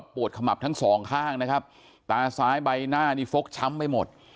ขมับทั้งสองข้างนะครับตาซ้ายใบหน้านี่ฟกช้ำไปหมด